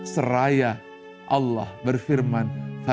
seraya allah berfirman